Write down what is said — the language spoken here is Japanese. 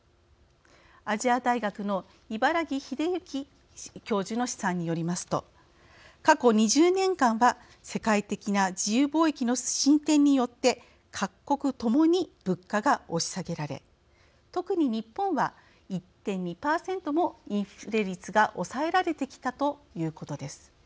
亜細亜大学の茨木秀行教授の試算によりますと過去２０年間は世界的な自由貿易の進展によって各国ともに、物価が押し下げられ特に日本は１．２％もインフレ率が抑えられてきたということです。